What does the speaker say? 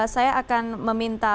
saya akan meminta